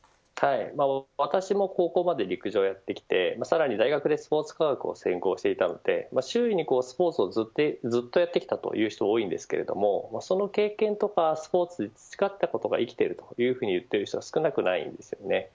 私も高校まで陸上をやってきてさらに大学で、スポーツ科学を専攻していたので周囲にスポーツをずっとやってきたという人多いんですけれどもその経験とかスポーツで培ったことが生きているというふうに言っている人は少なくないんですよね。